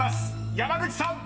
山口さん］